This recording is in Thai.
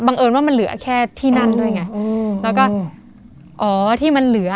เอิญว่ามันเหลือแค่ที่นั่นด้วยไงอืมแล้วก็อ๋อที่มันเหลือ